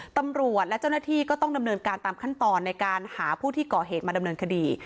ตำรวจและเจ้าหน้าที่ก็ต้องดำเนินการตามขั้นตอนในการหาผู้ที่ก่อเหตุมาดำเนินคดี